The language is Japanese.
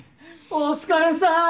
お疲れさん。